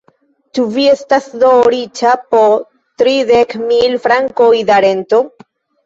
Ĉu vi estas do riĉa po tridek mil frankoj da rento?